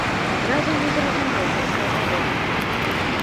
Адразу не зразумеў, пра што гаворка.